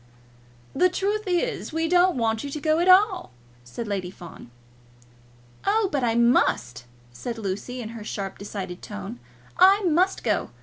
"The truth is, we don't want you to go at all," said Lady Fawn. "Oh, but I must," said Lucy in her sharp, decided tone. "I must go.